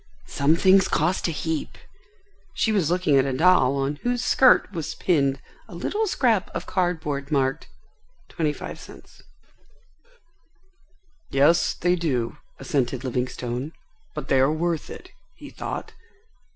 "Some things cost a heap." She was looking at a doll on whose skirt was pinned a little scrap of card board marked, "25c." "Yes, they do," assented Livingstone. "But they are worth it," he thought.